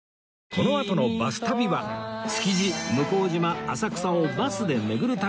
このあとの『バス旅』は築地向島浅草をバスで巡る旅